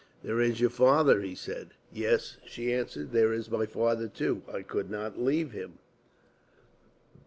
"There is your father," he said. "Yes," she answered, "there is my father too. I could not leave him."